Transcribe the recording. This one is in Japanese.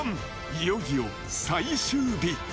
いよいよ最終日。